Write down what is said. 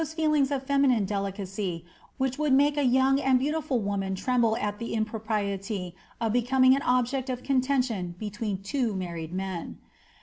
145 feelings of feminine delicacy which would make a young and beautiful woman tremble at the impropriety of becoming an object of contention between two married men.